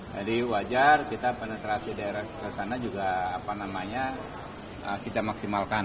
jadi wajar kita penetrasi daerah kesana juga apa namanya kita maksimalkan